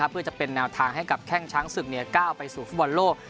เพื่อจะเป็นแนวทางให้กับแข้งช้างศึกก้าวไปสู่ฟุตบอลโลก